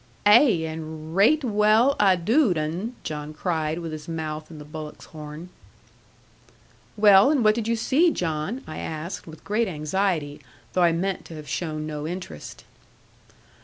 'Ay; and raight wull a doo'd un,' John cried, with his mouth in the bullock's horn. 'Well, and what did you see, John?' I asked, with great anxiety; though I meant to have shown no interest.